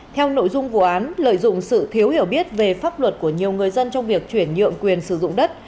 theo nội dung vụ án lợi dụng sự thiếu hiểu biết về pháp luật của nhiều người dân trong việc chuyển nhượng quyền sử dụng đất